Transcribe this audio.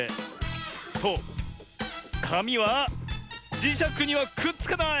そうかみはじしゃくにはくっつかない！